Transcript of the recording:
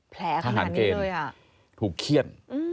แผลขนาดนี้เลยอ่ะทหารเกณฑ์ถูกเขี้ยน